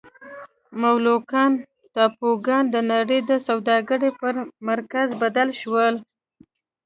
مولوکان ټاپوګان د نړۍ د سوداګرۍ پر مرکز بدل شول.